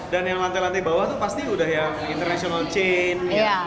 dan yang lantai lantai bawah tuh pasti udah yang international chain